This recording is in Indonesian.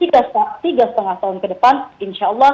tiga setengah tahun ke depan insya allah